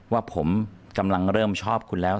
ว่าผมกำลังเริ่มชอบคุณแล้ว